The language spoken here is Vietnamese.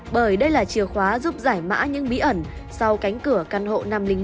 bởi đây là chìa khóa giúp giải mã những bí ẩn sau cánh cửa căn hộ năm trăm linh một